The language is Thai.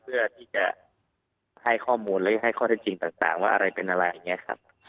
เพื่อที่จะให้ข้อมูลหรือให้ข้อได้จริงต่างว่าอะไรเป็นอะไรอย่างนี้ครับ